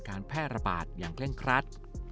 การแพร่ระบาดอย่างเร่งครัด